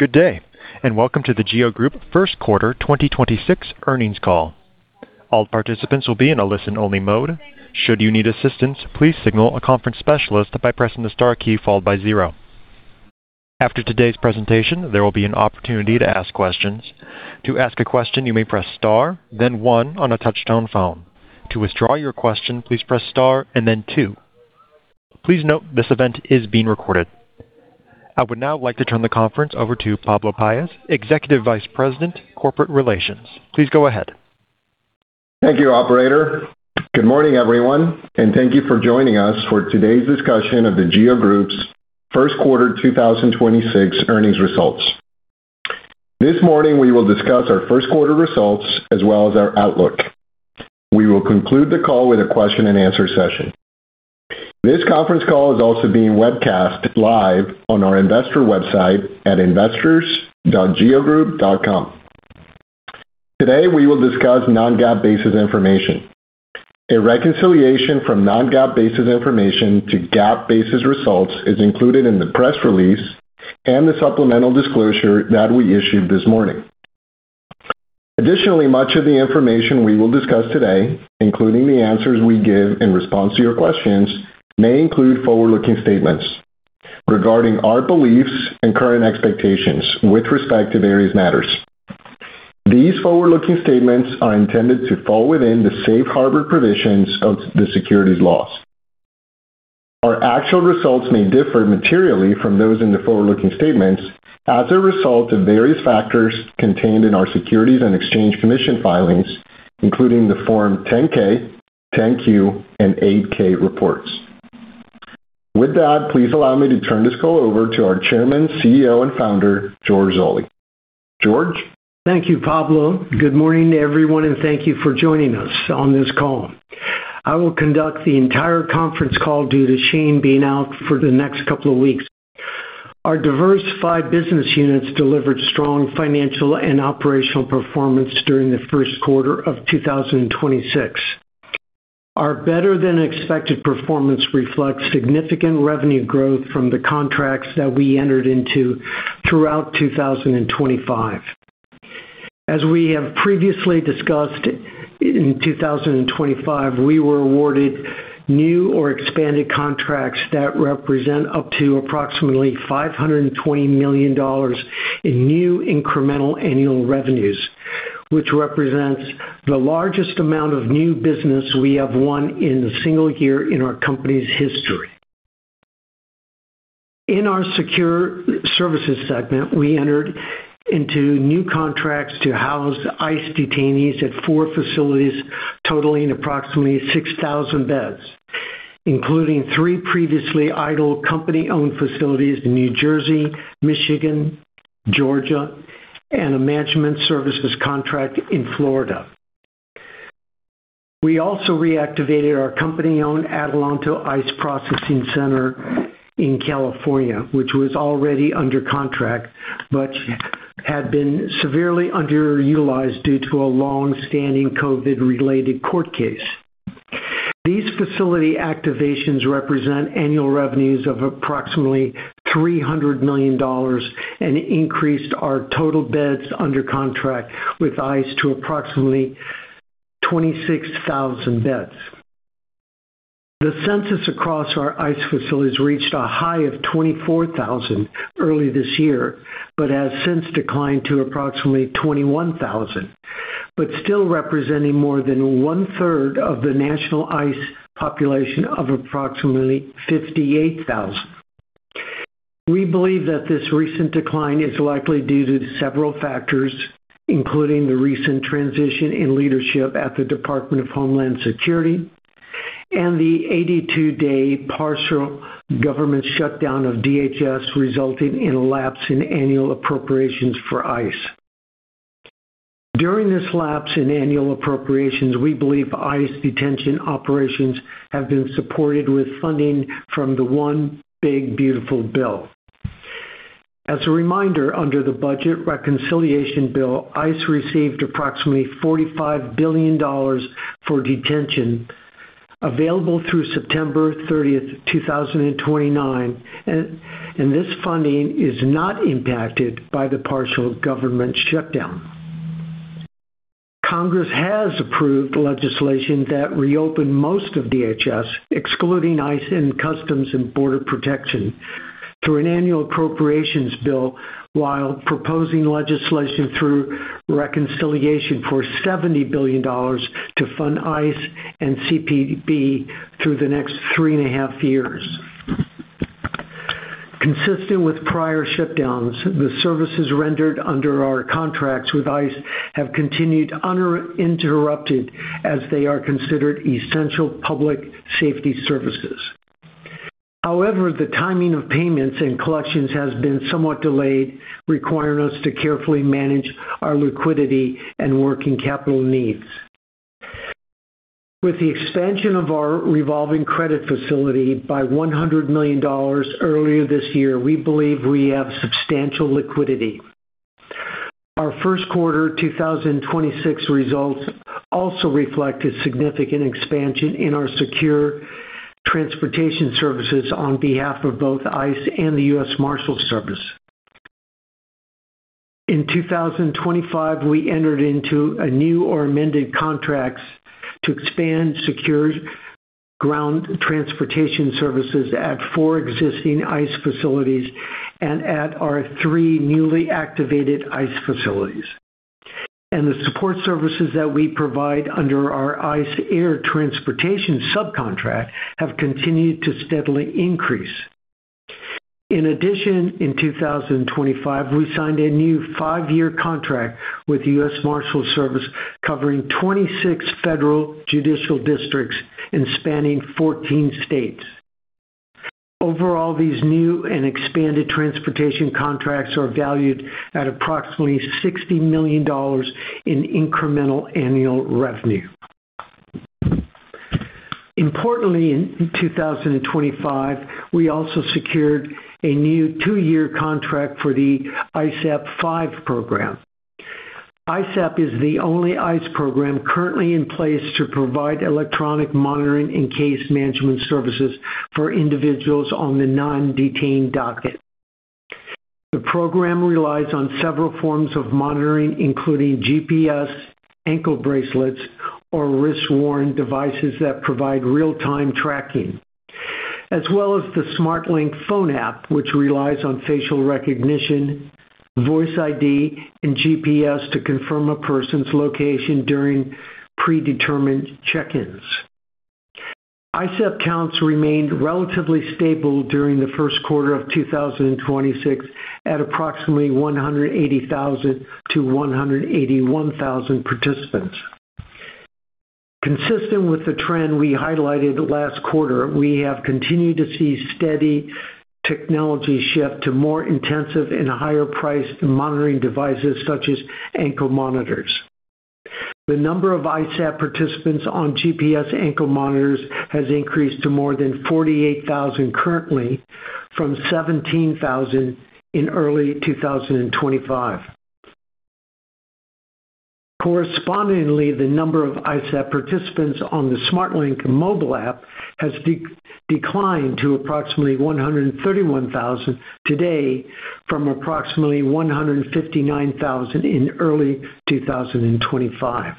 Good day, and welcome to The GEO Group first quarter 2026 earnings call. All participants will be in a listen-only mode. Should you need assistance, please signal a conference specialist by pressing the star key followed by zero. After today's presentation, there will be an opportunity to ask questions. To ask a question, you may press star then one on a touch-tone phone. To withdraw your question, please press star and then two. Please note this event is being recorded. I would now like to turn the conference over to Pablo Paez, Executive Vice President, Corporate Relations. Please go ahead. Thank you, operator. Good morning, everyone, and thank you for joining us for today's discussion of The GEO Group's first quarter 2026 earnings results. This morning, we will discuss our first quarter results as well as our outlook. We will conclude the call with a question-and-answer session. This conference call is also being webcast live on our investor website at investors.geogroup.com. Today, we will discuss non-GAAP basis information. A reconciliation from non-GAAP basis information to GAAP basis results is included in the press release and the supplemental disclosure that we issued this morning. Much of the information we will discuss today, including the answers we give in response to your questions, may include forward-looking statements regarding our beliefs and current expectations with respect to various matters. These forward-looking statements are intended to fall within the safe harbor provisions of the securities laws. Our actual results may differ materially from those in the forward-looking statements as a result of various factors contained in our Securities and Exchange Commission filings, including the Form 10-K, 10-Q, and 8-K reports. With that, please allow me to turn this call over to our Chairman, CEO, and Founder, George Zoley. George? Thank you, Pablo. Good morning to everyone, thank you for joining us on this call. I will conduct the entire conference call due to Shayn being out for the next couple of weeks. Our diversified business units delivered strong financial and operational performance during the first quarter of 2026. Our better-than-expected performance reflects significant revenue growth from the contracts that we entered into throughout 2025. As we have previously discussed, in 2025, we were awarded new or expanded contracts that represent up to approximately $520 million in new incremental annual revenues, which represents the largest amount of new business we have won in a single year in our company's history. In our Secure Services segment, we entered into new contracts to house ICE detainees at four facilities totaling approximately 6,000 beds, including three previously idle company-owned facilities in New Jersey, Michigan, Georgia, and a management services contract in Florida. We also reactivated our company-owned Adelanto ICE Processing Center in California, which was already under contract but had been severely underutilized due to a long-standing COVID-related court case. These facility activations represent annual revenues of approximately $300 million and increased our total beds under contract with ICE to approximately 26,000 beds. The census across our ICE facilities reached a high of 24,000 early this year but has since declined to approximately 21,000, but still representing more than 1/3 of the national ICE population of approximately 58,000. We believe that this recent decline is likely due to several factors, including the recent transition in leadership at the Department of Homeland Security and the 82-day partial government shutdown of DHS, resulting in a lapse in annual appropriations for ICE. During this lapse in annual appropriations, we believe ICE detention operations have been supported with funding from the One Big Beautiful Bill. As a reminder, under the Budget Reconciliation Bill, ICE received approximately $45 billion for detention available through September 30th, 2029, and this funding is not impacted by the partial government shutdown. Congress has approved legislation that reopened most of DHS, excluding ICE and Customs and Border Protection, through an annual appropriations bill while proposing legislation through reconciliation for $70 billion to fund ICE and CBP through the next 3.5 years. Consistent with prior shutdowns, the services rendered under our contracts with ICE have continued uninterrupted as they are considered essential public safety services. However, the timing of payments and collections has been somewhat delayed, requiring us to carefully manage our liquidity and working capital needs. With the expansion of our revolving credit facility by $100 million earlier this year, we believe we have substantial liquidity. Our first quarter 2026 results also reflected significant expansion in our secure transportation services on behalf of both ICE and the U.S. Marshals Service. In 2025, we entered into new or amended contracts to expand secured ground transportation services at four existing ICE facilities and at our three newly activated ICE facilities. The support services that we provide under our ICE air transportation subcontract have continued to steadily increase. In addition, in 2025, we signed a new five-year contract with the U.S. Marshals Service covering 26 federal judicial districts and spanning 14 states. Overall, these new and expanded transportation contracts are valued at approximately $60 million in incremental annual revenue. Importantly, in 2025, we also secured a new two-year contract for the ISAP V program. ISAP is the only ICE program currently in place to provide electronic monitoring and case management services for individuals on the non-detained docket. The program relies on several forms of monitoring, including GPS, ankle bracelets, or wrist-worn devices that provide real-time tracking, as well as the SmartLINK phone app, which relies on facial recognition, voice ID, and GPS to confirm a person's location during predetermined check-ins. ISAP counts remained relatively stable during the first quarter of 2026 at approximately 180,000 to 181,000 participants. Consistent with the trend we highlighted last quarter, we have continued to see steady technology shift to more intensive and higher-priced monitoring devices such as ankle monitors. The number of ISAP participants on GPS ankle monitors has increased to more than 48,000 currently from 17,000 in early 2025. Correspondingly, the number of ISAP participants on the SmartLINK mobile app has declined to approximately 131,000 today from approximately 159,000 in early 2025.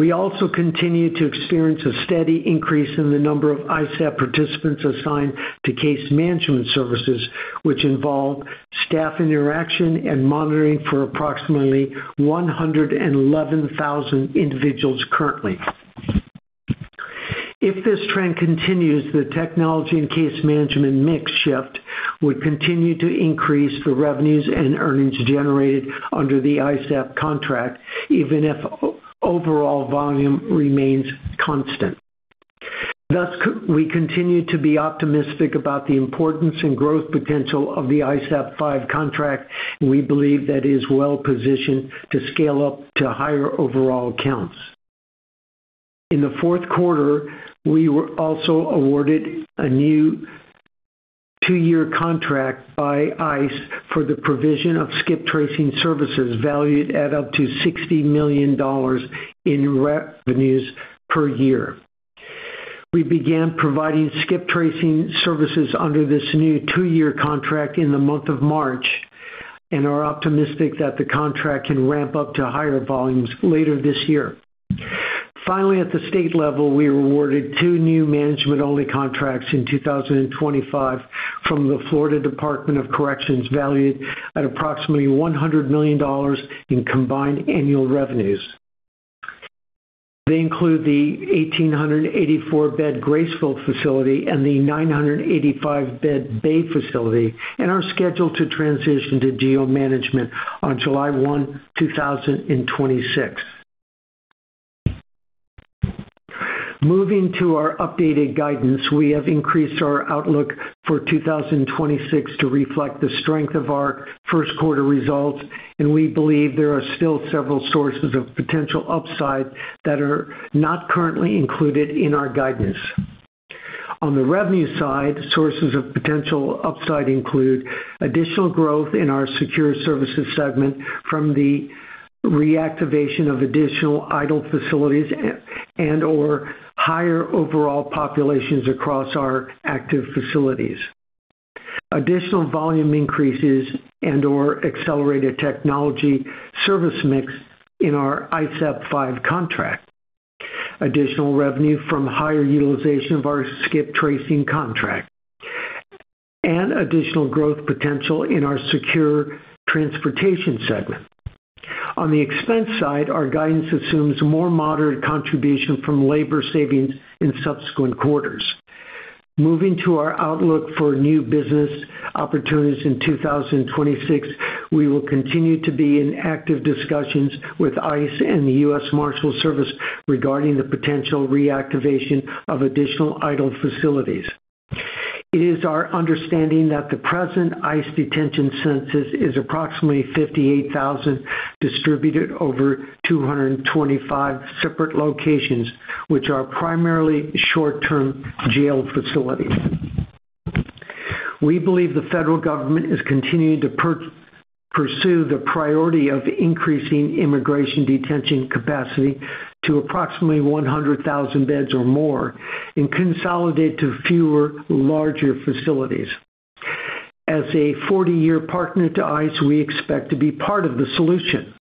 We also continue to experience a steady increase in the number of ISAP participants assigned to case management services, which involve staff interaction and monitoring for approximately 111,000 individuals currently. If this trend continues, the technology and case management mix shift would continue to increase the revenues and earnings generated under the ISAP contract, even if overall volume remains constant. Thus, we continue to be optimistic about the importance and growth potential of the ISAP V contract. We believe that is well-positioned to scale up to higher overall counts. In the fourth quarter, we were also awarded a new two-year contract by ICE for the provision of skip tracing services valued at up to $60 million in revenues per year. We began providing skip tracing services under this new two-year contract in the month of March and are optimistic that the contract can ramp up to higher volumes later this year. Finally, at the state level, we were awarded two new management-only contracts in 2025 from the Florida Department of Corrections, valued at approximately $100 million in combined annual revenues. They include the 1,884-bed Graceville facility and the 985-bed Bay facility and are scheduled to transition to GEO management on July 1, 2026. Moving to our updated guidance, we have increased our outlook for 2026 to reflect the strength of our first quarter results, and we believe there are still several sources of potential upside that are not currently included in our guidance. On the revenue side, sources of potential upside include additional growth in our Secure Services segment from the reactivation of additional idle facilities and/or higher overall populations across our active facilities. Additional volume increases and/or accelerated technology service mix in our ISAP V contract. Additional revenue from higher utilization of our skip tracing contract. Additional growth potential in our secure transportation segment. On the expense side, our guidance assumes more moderate contribution from labor savings in subsequent quarters. Moving to our outlook for new business opportunities in 2026, we will continue to be in active discussions with ICE and the U.S. Marshals Service regarding the potential reactivation of additional idle facilities. It is our understanding that the present ICE detention census is approximately 58,000 distributed over 225 separate locations, which are primarily short-term jail facilities. We believe the federal government is continuing to pursue the priority of increasing immigration detention capacity to approximately 100,000 beds or more and consolidate to fewer, larger facilities. As a 40-year partner to ICE, we expect to be part of the solution.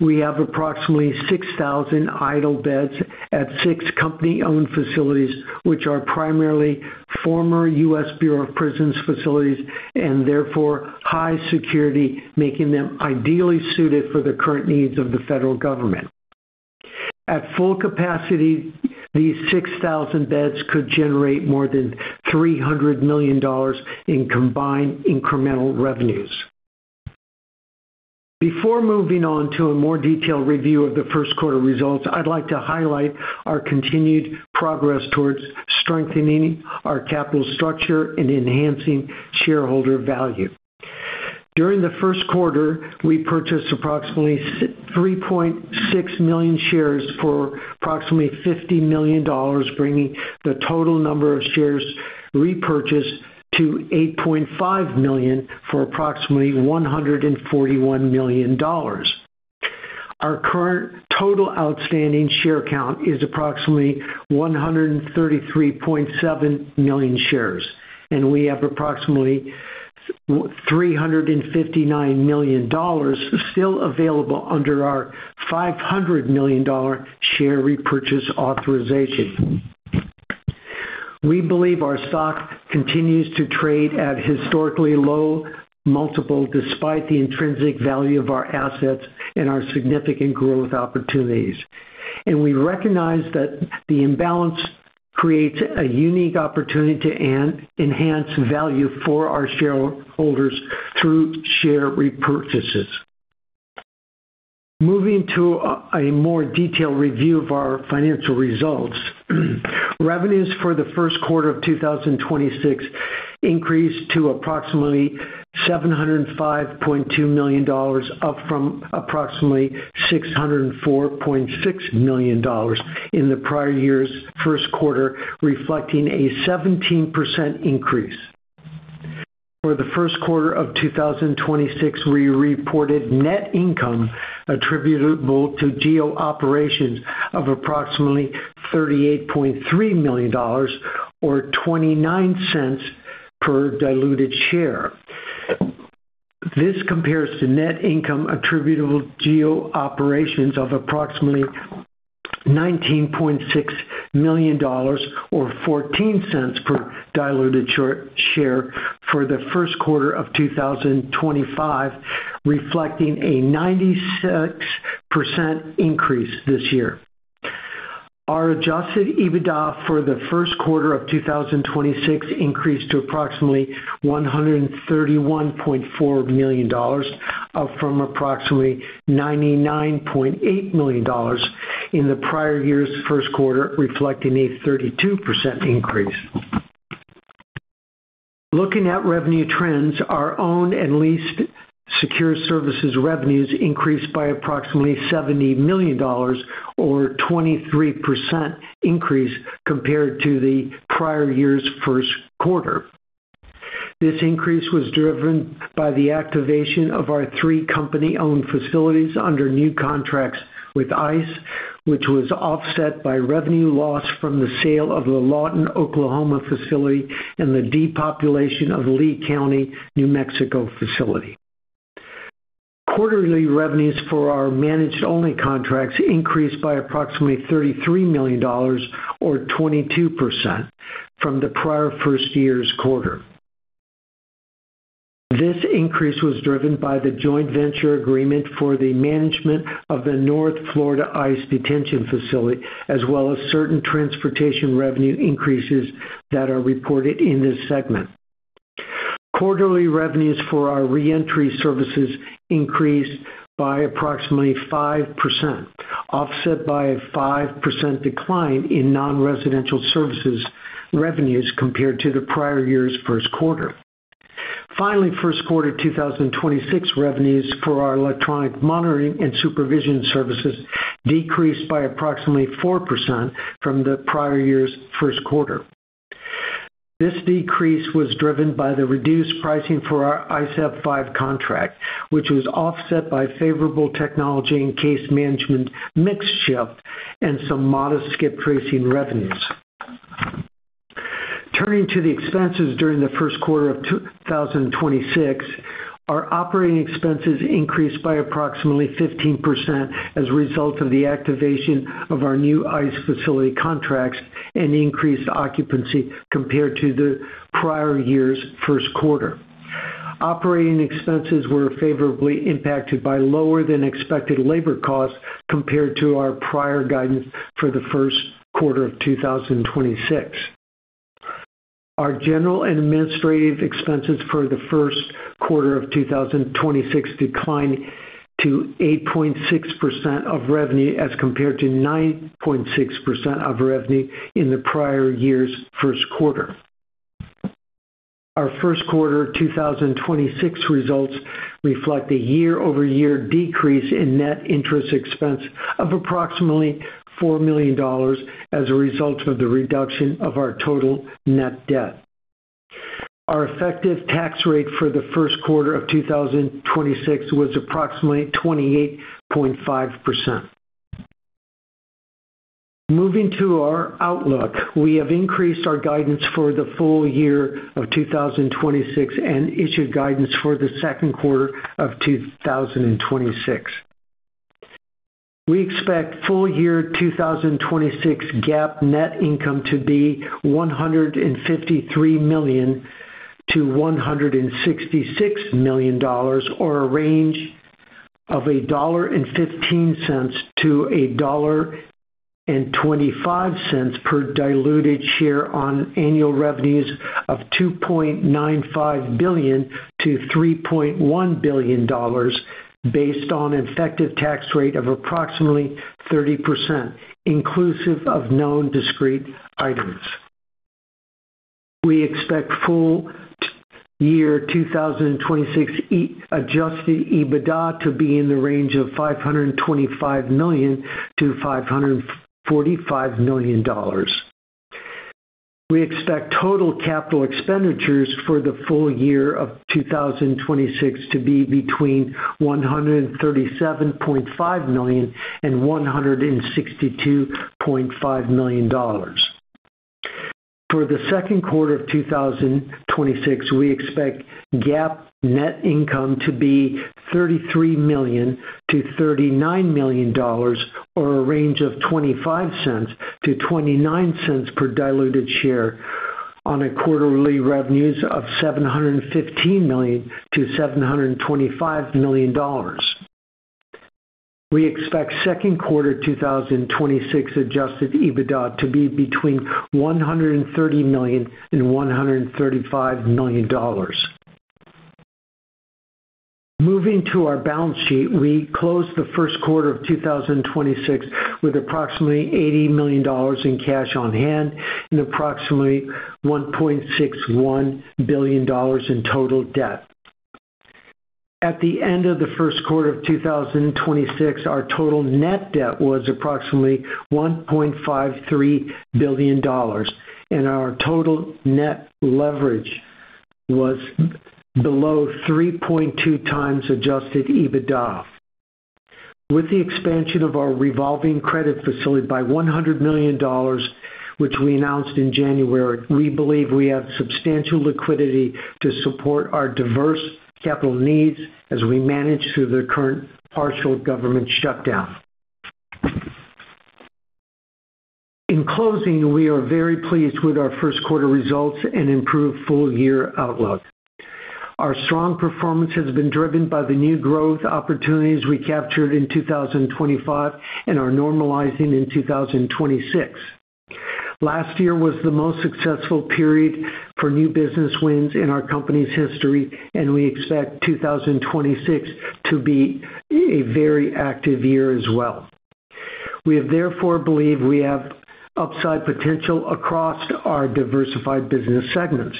We have approximately 6,000 idle beds at six company-owned facilities, which are primarily former U.S. Bureau of Prisons facilities, and therefore high security, making them ideally suited for the current needs of the federal government. At full capacity, these 6,000 beds could generate more than $300 million in combined incremental revenues. Before moving on to a more detailed review of the first quarter results, I'd like to highlight our continued progress towards strengthening our capital structure and enhancing shareholder value. During the first quarter, we purchased approximately 3.6 million shares for approximately $50 million, bringing the total number of shares repurchased to 8.5 million for approximately $141 million. Our current total outstanding share count is approximately 133.7 million shares, and we have approximately $359 million still available under our $500 million share repurchase authorization. We believe our stock continues to trade at historically low multiple despite the intrinsic value of our assets and our significant growth opportunities. We recognize that the imbalance creates a unique opportunity to enhance value for our shareholders through share repurchases. Moving to a more detailed review of our financial results. Revenues for the first quarter of 2026 increased to approximately $705.2 million, up from approximately $604.6 million in the prior year's first quarter, reflecting a 17% increase. For the first quarter of 2026, we reported net income attributable to GEO operations of approximately $38.3 million or $0.29 per diluted share. This compares to net income attributable GEO operations of approximately $19.6 million or $0.14 per diluted share for the first quarter of 2025, reflecting a 96% increase this year. Our adjusted EBITDA for the first quarter of 2026 increased to approximately $131.4 million, up from approximately $99.8 million in the prior year's first quarter, reflecting a 32% increase. Looking at revenue trends, our owned and leased Secure Services revenues increased by approximately $70 million or 23% compared to the prior year's first quarter. This increase was driven by the activation of our three company-owned facilities under new contracts with ICE, which was offset by revenue loss from the sale of the Lawton, Oklahoma facility and the depopulation of Lea County, New Mexico facility. Quarterly revenues for our managed only contracts increased by approximately $33 million or 22% from the prior first year's quarter. This increase was driven by the joint venture agreement for the management of the North Florida ICE detention facility, as well as certain transportation revenue increases that are reported in this segment. Quarterly revenues for our reentry services increased by approximately 5%, offset by a 5% decline in non-residential services revenues compared to the prior year's first quarter. First quarter 2026 revenues for our electronic monitoring and supervision services decreased by approximately 4% from the prior year's first quarter. This decrease was driven by the reduced pricing for our ICE ISAP V contract, which was offset by favorable technology and case management mix shift and some modest skip tracing revenues. Turning to the expenses during the first quarter of 2026, our operating expenses increased by approximately 15% as a result of the activation of our new ICE facility contracts and increased occupancy compared to the prior year's first quarter. Operating expenses were favorably impacted by lower than expected labor costs compared to our prior guidance for the first quarter of 2026. Our general and administrative expenses for the first quarter of 2026 declined to 8.6% of revenue as compared to 9.6% of revenue in the prior year's first quarter. Our first quarter 2026 results reflect a year-over-year decrease in net interest expense of approximately $4 million as a result of the reduction of our total net debt. Our effective tax rate for the first quarter of 2026 was approximately 28.5%. Moving to our outlook, we have increased our guidance for the full year 2026 and issued guidance for the second quarter of 2026. We expect full year 2026 GAAP net income to be $153 million-$166 million or a range of $1.15-$1.25 per diluted share on annual revenues of $2.95 billion-$3.1 billion based on an effective tax rate of approximately 30%, inclusive of known discrete items. We expect full year 2026 adjusted EBITDA to be in the range of $525 million-$545 million. We expect total capital expenditures for the full year of 2026 to be between $137.5 million and $162.5 million. For the second quarter of 2026, we expect GAAP net income to be $33 million-$39 million or a range of $0.25-$0.29 per diluted share on a quarterly revenues of $715 million-$725 million. We expect second quarter 2026 adjusted EBITDA to be between $130 million and $135 million. Moving to our balance sheet, we closed the first quarter of 2026 with approximately $80 million in cash on hand and approximately $1.61 billion in total debt. At the end of the first quarter of 2026, our total net debt was approximately $1.53 billion, and our total net leverage was below 3.2 times adjusted EBITDA. With the expansion of our revolving credit facility by $100 million, which we announced in January, we believe we have substantial liquidity to support our diverse capital needs as we manage through the current partial government shutdown. In closing, we are very pleased with our first quarter results and improved full-year outlook. Our strong performance has been driven by the new growth opportunities we captured in 2025 and are normalizing in 2026. Last year was the most successful period for new business wins in our company's history. We expect 2026 to be a very active year as well. We therefore believe we have upside potential across our diversified business segments.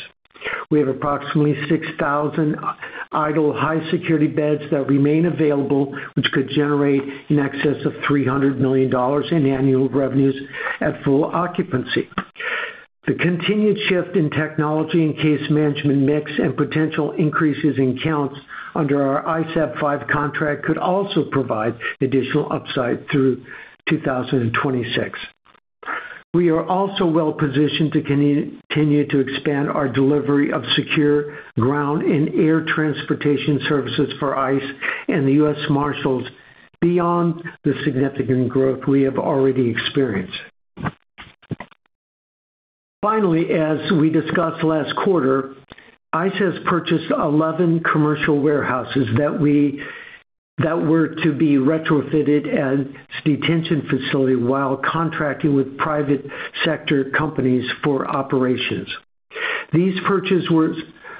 We have approximately 6,000 idle high-security beds that remain available, which could generate in excess of $300 million in annual revenues at full occupancy. The continued shift in technology and case management mix and potential increases in counts under our ISAP V contract could also provide additional upside through 2026. We are also well-positioned to continue to expand our delivery of secure ground and air transportation services for ICE and the U.S. Marshals beyond the significant growth we have already experienced. Finally, as we discussed last quarter, ICE has purchased 11 commercial warehouses that were to be retrofitted as detention facility while contracting with private sector companies for operations. These purchases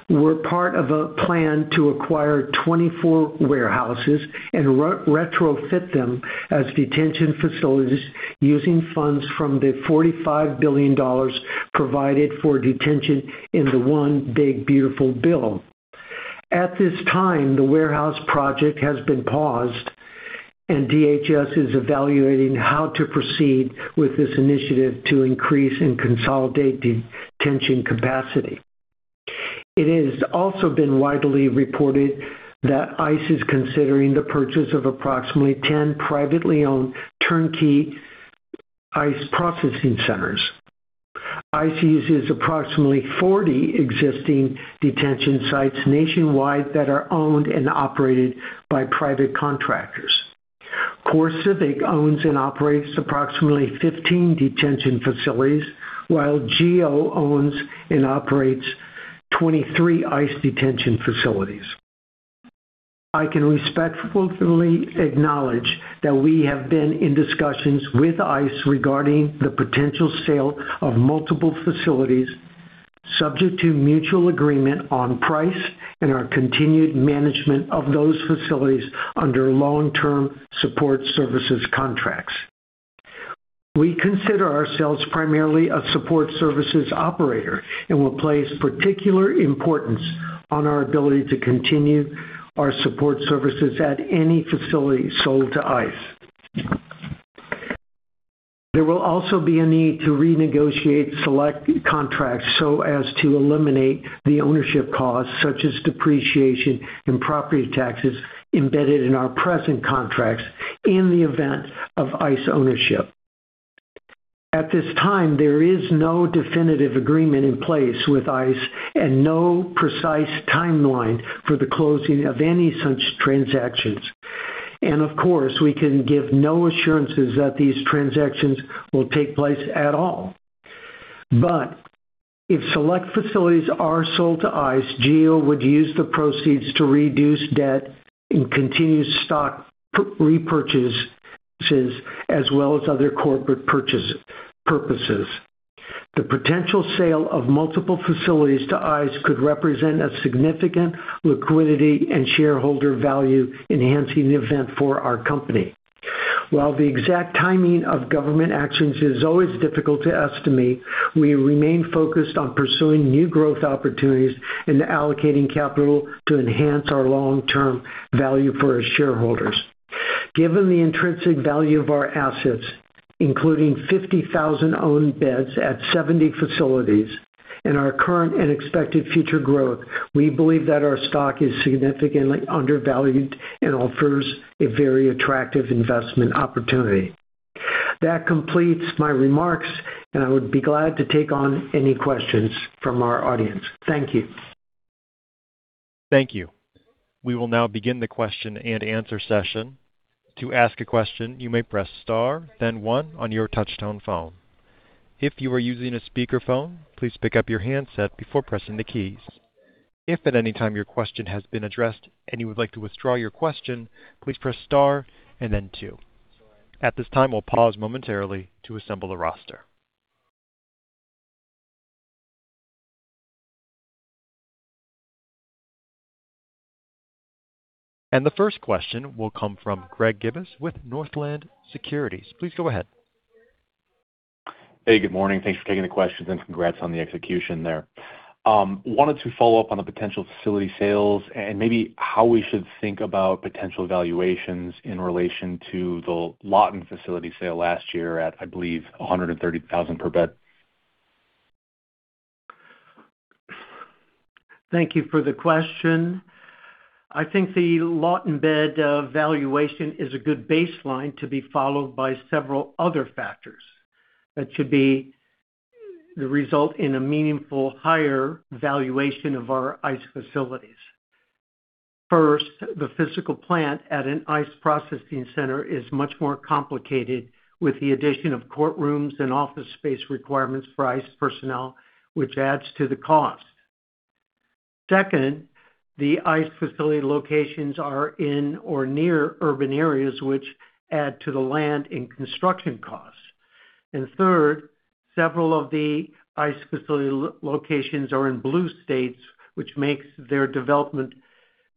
were part of a plan to acquire 24 warehouses and re-retrofit them as detention facilities using funds from the $45 billion provided for detention in the One Big Beautiful Bill Act. At this time, the warehouse project has been paused, and DHS is evaluating how to proceed with this initiative to increase and consolidate detention capacity. It has also been widely reported that ICE is considering the purchase of approximately 10 privately owned turnkey ICE processing centers. ICE uses approximately 40 existing detention sites nationwide that are owned and operated by private contractors. CoreCivic owns and operates approximately 15 detention facilities, while GEO owns and operates 23 ICE detention facilities. I can respectfully acknowledge that we have been in discussions with ICE regarding the potential sale of multiple facilities subject to mutual agreement on price and our continued management of those facilities under long-term support services contracts. We consider ourselves primarily a support services operator and will place particular importance on our ability to continue our support services at any facility sold to ICE. There will also be a need to renegotiate select contracts so as to eliminate the ownership costs, such as depreciation and property taxes embedded in our present contracts in the event of ICE ownership. At this time, there is no definitive agreement in place with ICE and no precise timeline for the closing of any such transactions. Of course, we can give no assurances that these transactions will take place at all. If select facilities are sold to ICE, GEO would use the proceeds to reduce debt and continue stock repurchases, as well as other corporate purchase purposes. The potential sale of multiple facilities to ICE could represent a significant liquidity and shareholder value-enhancing event for our company. While the exact timing of government actions is always difficult to estimate, we remain focused on pursuing new growth opportunities and allocating capital to enhance our long-term value for our shareholders. Given the intrinsic value of our assets, including 50,000 owned beds at 70 facilities and our current and expected future growth, we believe that our stock is significantly undervalued and offers a very attractive investment opportunity. That completes my remarks, and I would be glad to take on any questions from our audience. Thank you. Thank you. We will now begin the question-and-answer session. To ask a question, you may press star one on your touch-tone phone. If you are using a speakerphone, please pick up your handset before pressing the keys. If at any time your question has been addressed and you would like to withdraw your question, please press star two. At this time, we'll pause momentarily to assemble a roster. The first question will come from Greg Gibas with Northland Securities. Please go ahead. Hey, good morning. Thanks for taking the questions and congrats on the execution there. I wanted to follow up on the potential facility sales and maybe how we should think about potential valuations in relation to the Lawton facility sale last year at, I believe, $130,000 per bed. Thank you for the question. I think the Lawton bed valuation is a good baseline to be followed by several other factors that should be the result in a meaningful higher valuation of our ICE facilities. First, the physical plant at an ICE processing center is much more complicated with the addition of courtrooms and office space requirements for ICE personnel, which adds to the cost. Second, the ICE facility locations are in or near urban areas which add to the land and construction costs. Third, several of the ICE facility locations are in blue states, which makes their development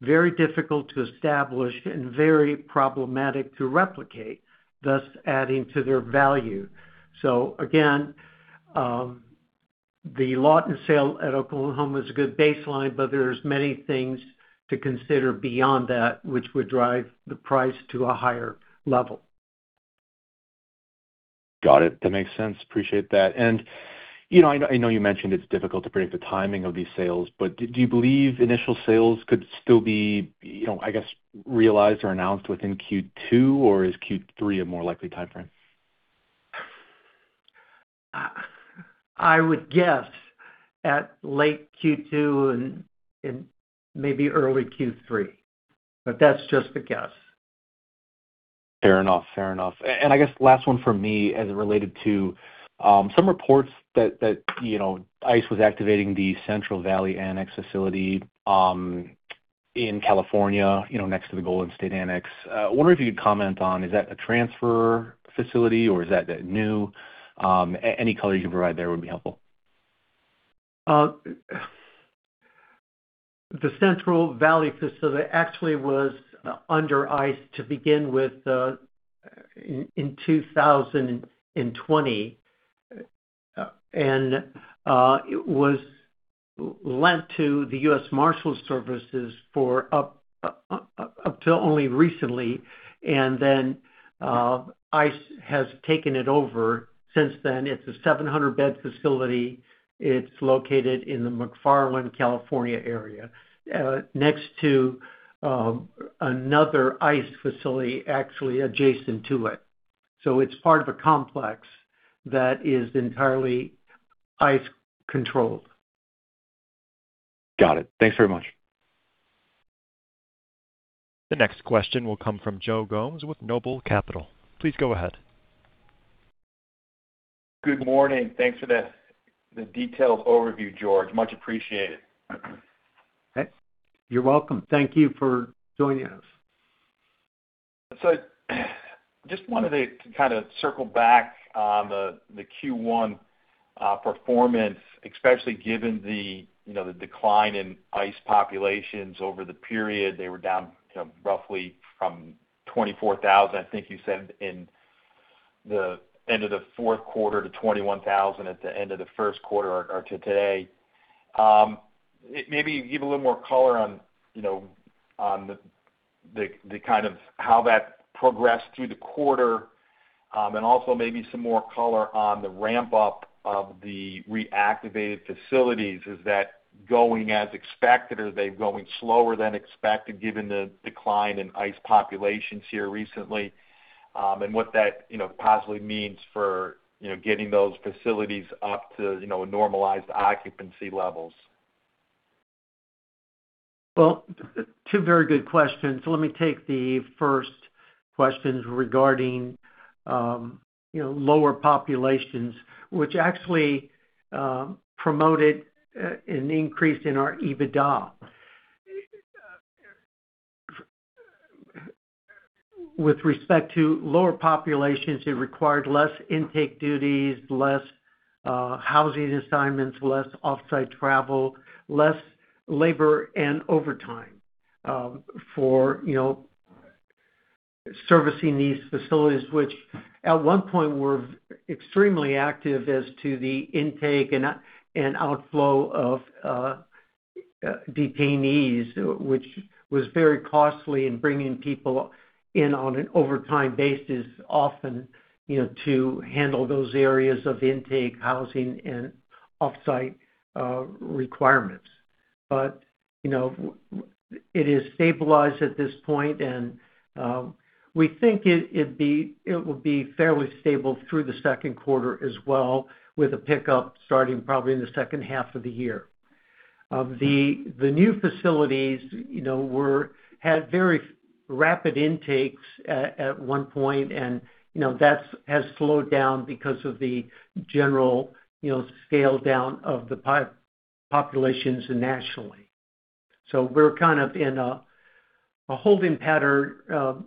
very difficult to establish and very problematic to replicate, thus adding to their value. Again, the Lawton sale at Oklahoma is a good baseline, but there's many things to consider beyond that which would drive the price to a higher level. Got it. That makes sense. Appreciate that. You know, I know you mentioned it's difficult to predict the timing of these sales. Do you believe initial sales could still be, you know, I guess, realized or announced within Q2, or is Q3 a more likely timeframe? I would guess at late Q2 and maybe early Q3, that's just a guess. Fair enough. Fair enough. I guess last one for me as it related to some reports that, you know, ICE was activating the Central Valley Annex facility in California, you know, next to the Golden State Annex. Wondering if you could comment on, is that a transfer facility or is that a new, any color you can provide there would be helpful. The Central Valley facility actually was under ICE to begin with in 2020. It was lent to the U.S. Marshals Service up till only recently. ICE has taken it over since then. It's a 700-bed facility. It's located in the McFarland, California area next to another ICE facility actually adjacent to it. It's part of a complex that is entirely ICE controlled. Got it. Thanks very much. The next question will come from Joe Gomes with Noble Capital. Please go ahead. Good morning. Thanks for the detailed overview, George. Much appreciated. You're welcome. Thank you for joining us. Just wanted to kind of circle back on the Q1 performance, especially given the, you know, the decline in ICE populations over the period. They were down, you know, roughly from 24,000, I think you said, in the end of the fourth quarter to 21,000 at the end of the first quarter or to today. Maybe give a little more color on, you know, on the kind of how that progressed through the quarter, and also maybe some more color on the ramp up of the reactivated facilities. Is that going as expected? Are they going slower than expected given the decline in ICE populations here recently? What that, you know, possibly means for, you know, getting those facilities up to, you know, normalized occupancy levels. Well, two very good questions. Let me take the first question regarding, you know, lower populations, which actually promoted an increase in our EBITDA. With respect to lower populations, it required less intake duties, less housing assignments, less off-site travel, less labor and overtime, for, you know, servicing these facilities, which at one point were extremely active as to the intake and outflow of detainees, which was very costly in bringing people in on an overtime basis, often, you know, to handle those areas of intake, housing, and off-site requirements. You know, it is stabilized at this point, and we think it will be fairly stable through the second quarter as well, with a pickup starting probably in the second half of the year. The new facilities, you know, had very rapid intakes at one point and, you know, has slowed down because of the general, you know, scale-down of the populations nationally. We're kind of in a holding pattern,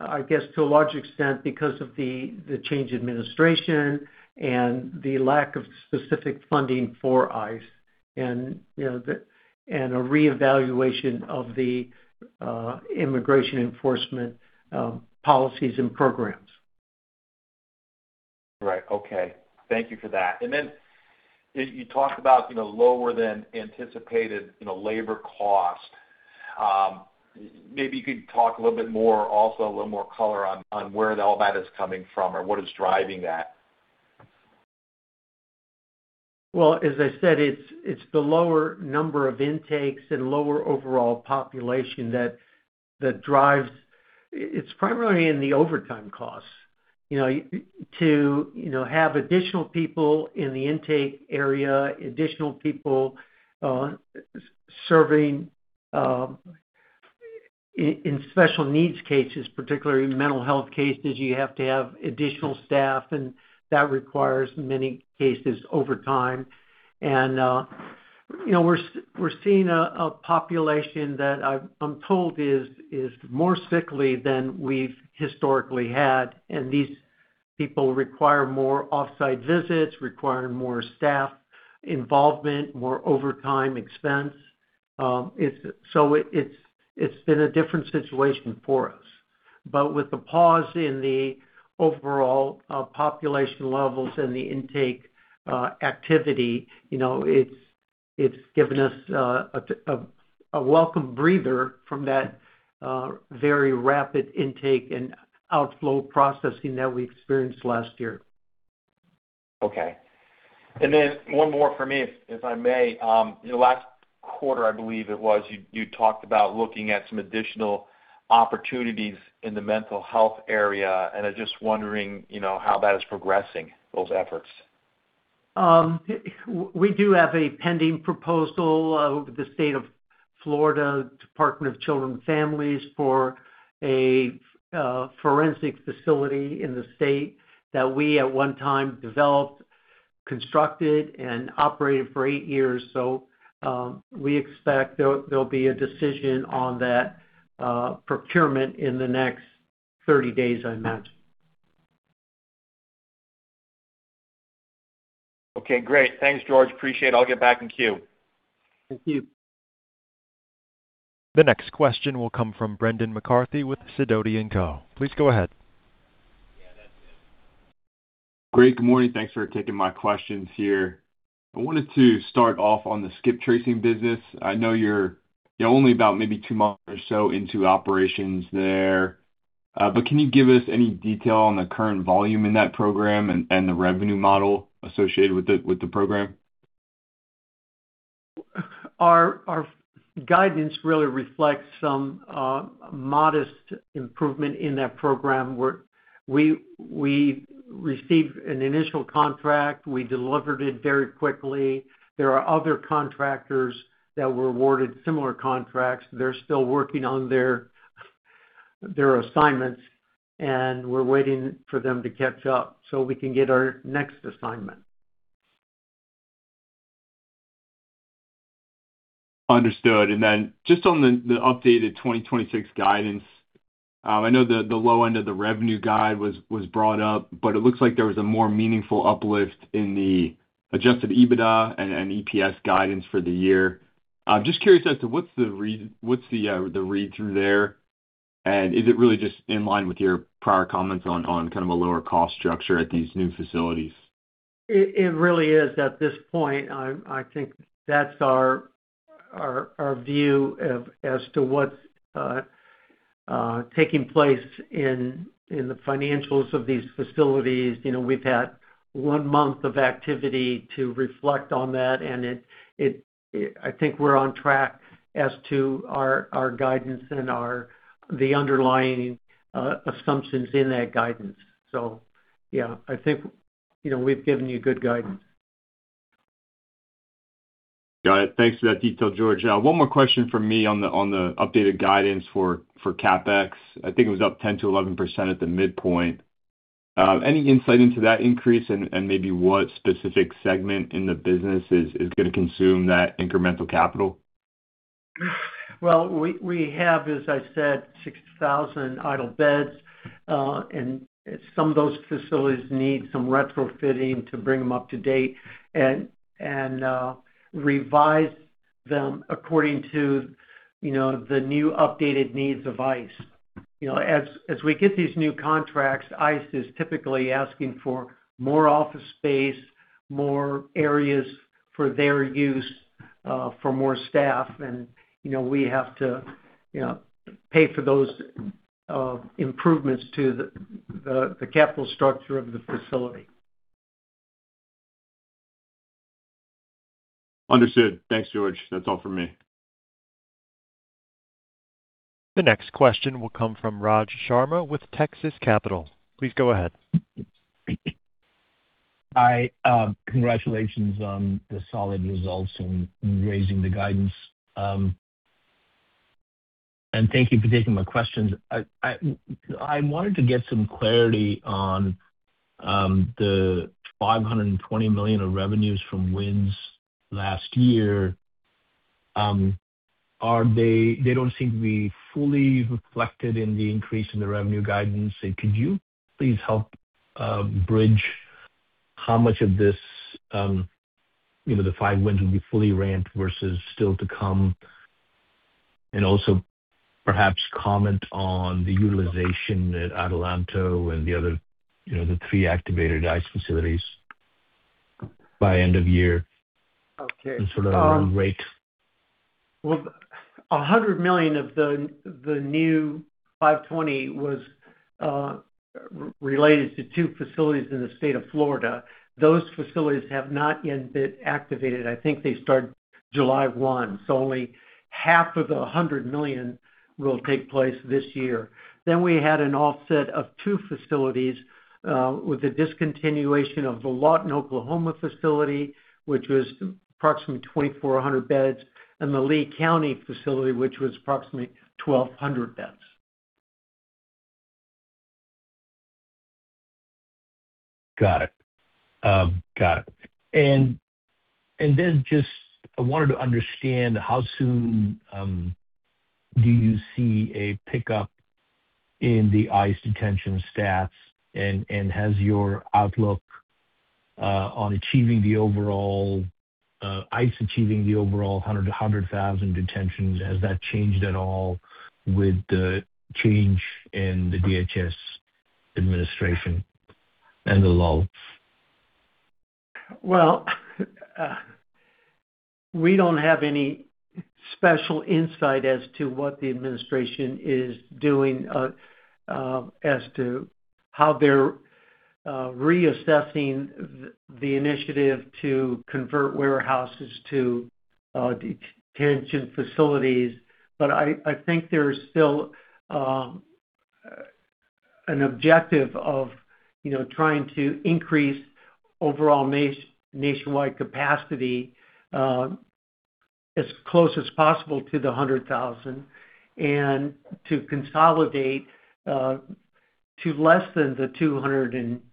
I guess, to a large extent because of the change in administration and the lack of specific funding for ICE and, you know, and a reevaluation of the immigration enforcement policies and programs. Right. Okay. Thank you for that. Then you talked about, you know, lower than anticipated, you know, labor cost. Maybe you could talk a little bit more, also a little more color on where all that is coming from or what is driving that? Well, as I said, it's the lower number of intakes and lower overall population that drives. It's primarily in the overtime costs, you know. To, you know, have additional people in the intake area, additional people serving in special needs cases, particularly mental health cases, you have to have additional staff, and that requires many cases over time. You know, we're seeing a population that I'm told is more sickly than we've historically had, and these people require more off-site visits, require more staff involvement, more overtime expense. It's been a different situation for us. With the pause in the overall population levels and the intake activity, you know, it's given us a welcome breather from that very rapid intake and outflow processing that we experienced last year. Okay. Then one more for me, if I may. In the last quarter, I believe it was, you talked about looking at some additional opportunities in the mental health area, and I'm just wondering, you know, how that is progressing, those efforts. We do have a pending proposal with the State of Florida Department of Children and Families for a forensic facility in the state that we at one time developed, constructed, and operated for eight years. We expect there'll be a decision on that procurement in the next 30 days, I imagine. Okay, great. Thanks, George. Appreciate it. I'll get back in queue. Thank you. The next question will come from Brendan McCarthy with Sidoti & Co. Please go ahead. Great. Good morning. Thanks for taking my questions here. I wanted to start off on the skip tracing business. I know you're only about maybe two months or so into operations there, can you give us any detail on the current volume in that program and the revenue model associated with the program? Our guidance really reflects some modest improvement in that program. We received an initial contract, we delivered it very quickly. There are other contractors that were awarded similar contracts. They're still working on their assignments, we're waiting for them to catch up so we can get our next assignment. Understood. Then just on the updated 2026 guidance, I know the low end of the revenue guide was brought up, but it looks like there was a more meaningful uplift in the adjusted EBITDA and EPS guidance for the year. I'm just curious as to what's the read through there, and is it really just in line with your prior comments on kind of a lower cost structure at these new facilities? It really is at this point. I think that's our view of as to what's taking place in the financials of these facilities. You know, we've had one month of activity to reflect on that, and I think we're on track as to our guidance and our, the underlying assumptions in that guidance. Yeah, I think, you know, we've given you good guidance. Got it. Thanks for that detail, George. One more question from me on the updated guidance for CapEx. I think it was up 10% to 11% at the midpoint. Any insight into that increase and maybe what specific segment in the business is gonna consume that incremental capital? Well, we have, as I said, 6,000 idle beds, and some of those facilities need some retrofitting to bring them up to date and revise them according to, you know, the new updated needs of ICE. You know, as we get these new contracts, ICE is typically asking for more office space, more areas for their use, for more staff. You know, we have to, you know, pay for those improvements to the capital structure of the facility. Understood. Thanks, George. That's all from me. The next question will come from Raj Sharma with Texas Capital. Please go ahead. Hi. Congratulations on the solid results and raising the guidance. Thank you for taking my questions. I wanted to get some clarity on the $520 million of revenues from wins last year. They don't seem to be fully reflected in the increase in the revenue guidance. Could you please help bridge how much of this, you know, the five wins will be fully ramped versus still to come? Also perhaps comment on the utilization at Adelanto and the other, you know, the three activated ICE facilities by end of year. Okay. Sort of the run rate. A $100 million of the new 520 was related to two facilities in the state of Florida. Those facilities have not yet been activated. I think they start July 1, so only half of the $100 million will take place this year. We had an offset of two facilities with the discontinuation of the Lawton, Oklahoma facility, which was approximately 2,400 beds, and the Lea County facility, which was approximately 1,200 beds. Got it. Got it. Then just I wanted to understand how soon do you see a pickup in the ICE detention stats? Has your outlook on achieving the overall ICE achieving the overall 100,000 detentions, has that changed at all with the change in the DHS administration and the lulls? We don't have any special insight as to what the administration is doing, as to how they're reassessing the initiative to convert warehouses to detention facilities. I think there is still an objective of, you know, trying to increase overall nationwide capacity, as close as possible to the 100,000 and to consolidate to less than the 250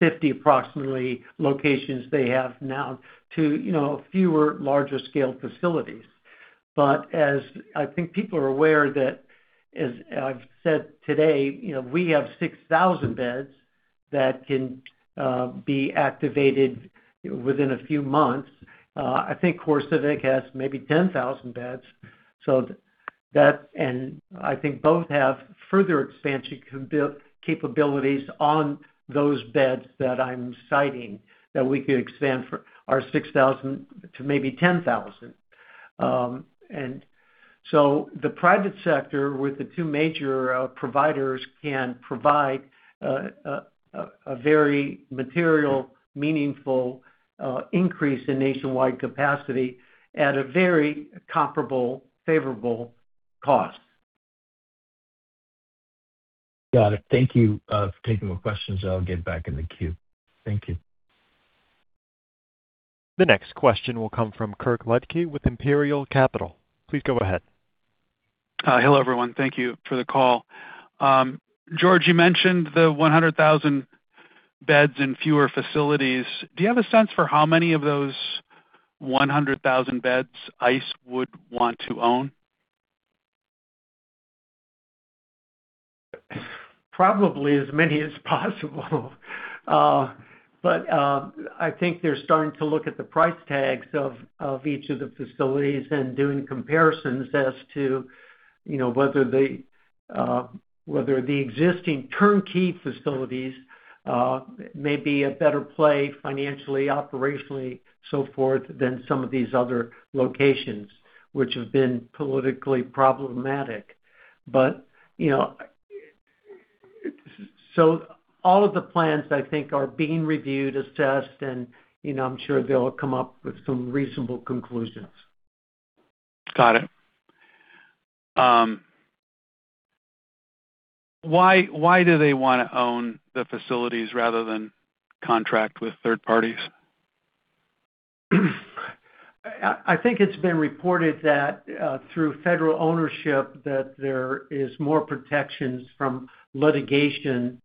approximately locations they have now to, you know, fewer larger scale facilities. As I think people are aware that, as I've said today, you know, we have 6,000 beds that can be activated within a few months. I think CoreCivic has maybe 10,000 beds. That, and I think both have further expansion capabilities on those beds that I'm citing, that we could expand for our 6,000 to maybe 10,000. The private sector with the two major providers can provide a very material meaningful increase in nationwide capacity at a very comparable, favorable cost. Got it. Thank you, for taking my questions. I'll get back in the queue. Thank you. The next question will come from Kirk Ludtke with Imperial Capital. Please go ahead. Hello, everyone. Thank you for the call. George, you mentioned the 100,000 beds in fewer facilities. Do you have a sense for how many of those 100,000 beds ICE would want to own? Probably as many as possible. I think they're starting to look at the price tags of each of the facilities and doing comparisons as to, you know, whether the existing turnkey facilities maybe a better play financially, operationally, so forth, than some of these other locations which have been politically problematic. You know, all of the plans, I think, are being reviewed, assessed, and, you know, I'm sure they'll come up with some reasonable conclusions. Got it. Why do they wanna own the facilities rather than contract with third parties? I think it's been reported that through federal ownership that there is more protections from litigation,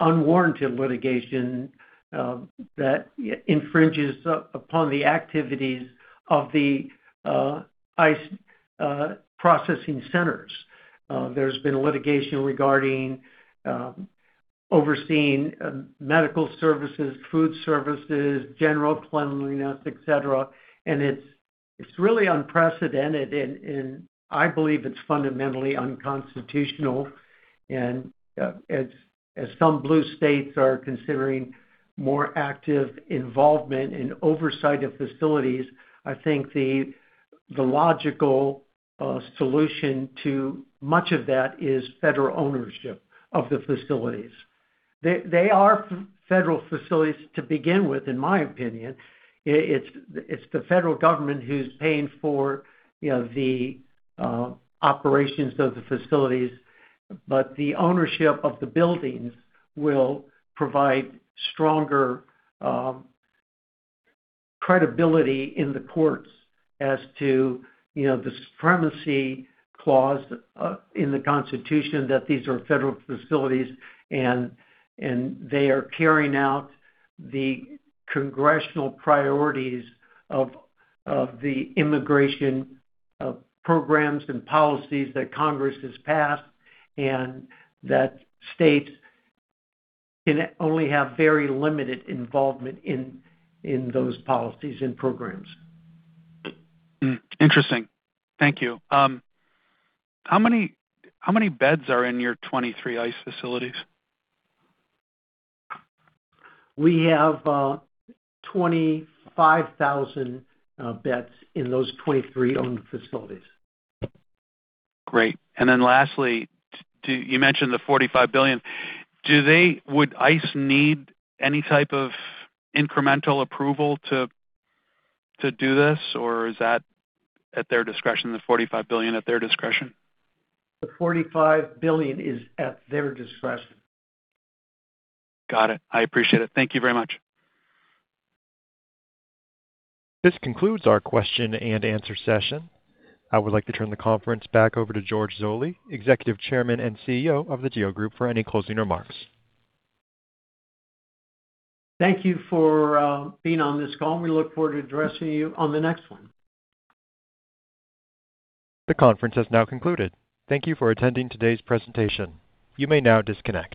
unwarranted litigation that infringes upon the activities of the ICE processing centers. There's been litigation regarding overseeing medical services, food services, general cleanliness, et cetera. It's really unprecedented and I believe it's fundamentally unconstitutional. As some blue states are considering more active involvement in oversight of facilities, I think the logical solution to much of that is federal ownership of the facilities. They are federal facilities to begin with, in my opinion. It's the federal government who's paying for, you know, the operations of the facilities, but the ownership of the buildings will provide stronger credibility in the courts as to, you know, the Supremacy Clause in the Constitution that these are federal facilities and they are carrying out the congressional priorities of the immigration programs and policies that Congress has passed and that states can only have very limited involvement in those policies and programs. Interesting. Thank you. How many beds are in your 23 ICE facilities? We have 25,000 beds in those 23 owned facilities. Great. Lastly, You mentioned the $45 billion. Would ICE need any type of incremental approval to do this, or is that at their discretion, the $45 billion at their discretion? The $45 billion is at their discretion. Got it. I appreciate it. Thank you very much. This concludes our question and answer session. I would like to turn the conference back over to George Zoley, Executive Chairman and CEO of The GEO Group, for any closing remarks. Thank you for being on this call. We look forward to addressing you on the next one. The conference has now concluded. Thank you for attending today's presentation. You may now disconnect.